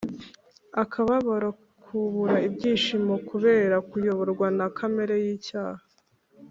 Akababaro, kubura ibyishimo, kubera kuyoborwa na kamere n'icyaha.